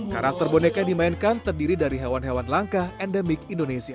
karakter boneka yang dimainkan terdiri dari hewan hewan langka endemik indonesia